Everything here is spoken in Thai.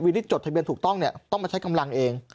ที่จดทะเบียนถูกต้องเนี่ยต้องมาใช้กำลังเอง